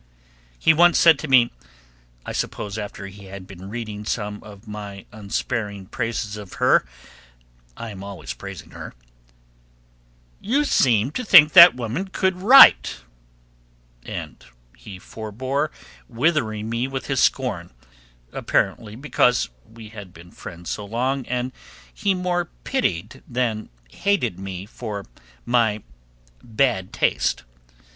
He once said to me, I suppose after he had been reading some of my unsparing praises of her I am always praising her, "You seem to think that woman could write," and he forbore withering me with his scorn, apparently because we had been friends so long, and he more pitied than hated me for my bad taste.